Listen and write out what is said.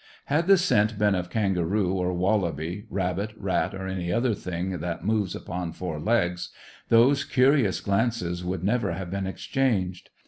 Had the scent been of kangaroo or wallaby, rabbit, rat, or any other thing that moves upon four legs, those curious glances would never have been exchanged.